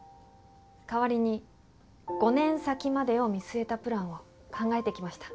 代わりに５年先までを見据えたプランを考えてきました。